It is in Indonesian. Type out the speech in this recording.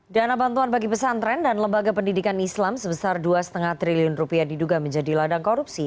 dana bantuan bagi pesantren dan lembaga pendidikan islam sebesar dua lima triliun rupiah diduga menjadi ladang korupsi